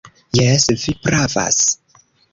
Jes, vi pravas.